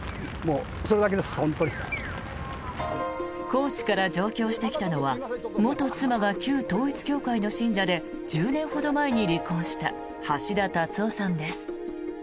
高知から上京してきたのは元妻が旧統一教会の信者で１０年ほど前に離婚した橋田達夫さんです。